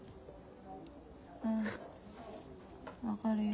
ん分かるよ。